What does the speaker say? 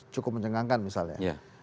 cukup menjengangkan misalnya